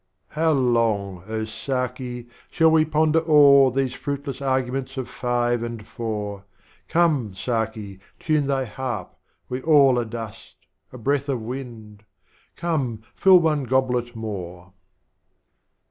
V. How long, oh, Sdki, shall we ponder o'er These Fruitless Arguments of Five and Four;" Come, Sdki, tune Thy Harp, we all are Dust, A Breath of Wind,— Come, fill one Goblet more.